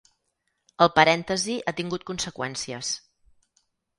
El parèntesi ha tingut conseqüències.